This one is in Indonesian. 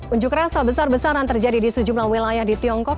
unjuk rasa besar besaran terjadi di sejumlah wilayah di tiongkok